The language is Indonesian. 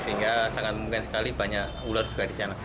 sehingga sangat mungkin sekali banyak ular juga di sana